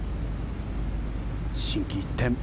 心機一転。